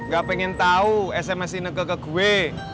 gak pengen tau sms ineke ke gue